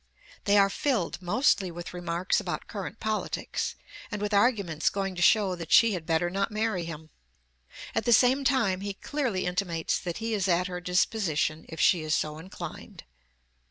They are filled mostly with remarks about current politics, and with arguments going to show that she had better not marry him! At the same time he clearly intimates that he is at her disposition if she is so inclined.